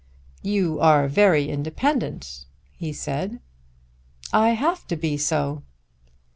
"You are very independent," he said. "I have to be so."